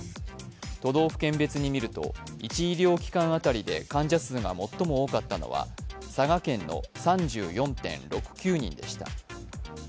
都道府県別にみると、１医療機関当たりで患者数が最も多かったのが、佐賀県の３４．６９人でした。